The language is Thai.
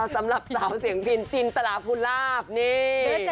สำหรับสาวเสียงพินจินตราภูลาภนี่